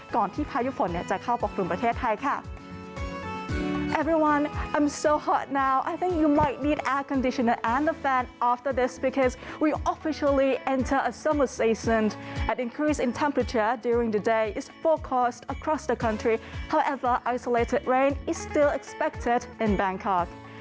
ก่อนที่พายุฝนจะเข้าปกครุมประเทศไทยค่ะ